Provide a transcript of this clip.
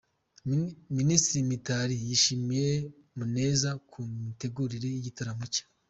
Minisitiri Mitali yashimiye Muneza ku mitegurire y’igitaramo cye